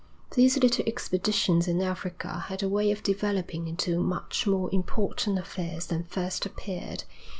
These little expeditions in Africa had a way of developing into much more important affairs than first appeared.